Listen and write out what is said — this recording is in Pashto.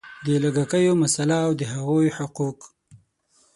د لږکیو مسله او د هغوی حقوق